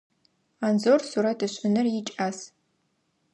Анзор сурэт ышӏыныр икӏас.